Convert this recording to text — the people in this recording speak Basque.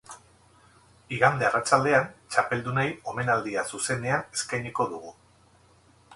Igande arratsaldean txapeldunei omenaldia zuzenean eskainiko dugu.